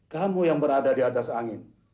kamu yang berada di atas angin